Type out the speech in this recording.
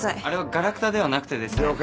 あれはガラクタではなくてですね。